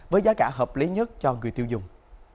với giá cả hợp lý nhất cho người tiêu dùng